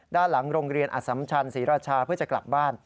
ด้านหลังโรงเรียนอสัมชันศรีราชาเพื่อจะกลับบ้าน